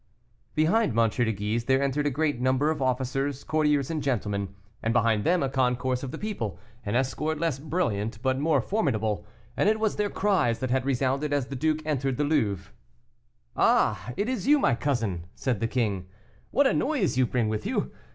Behind M. de Guise there entered a great number of officers, courtiers, and gentlemen, and behind them a concourse of the people; an escort less brilliant, but more formidable, and it was their cries that had resounded as the duke entered the Louvre. "Ah! it is you, my cousin," said the king; "what a noise you bring with you!